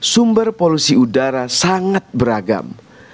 sumber polusi udara sangat beragam